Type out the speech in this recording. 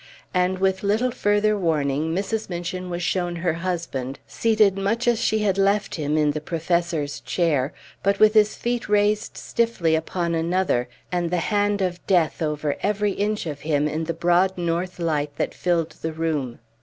And with little further warning Mrs. Minchin was shown her husband, seated much as she had left him in the professor's chair, but with his feet raised stiffly upon another, and the hand of death over every inch of him in the broad north light that filled the room.